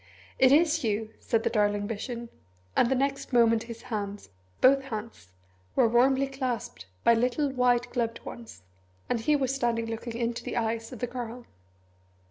"It is you!" said the darling vision, and the next moment his hands both hands were warmly clasped by little white gloved ones, and he was standing looking into the eyes of the Girl.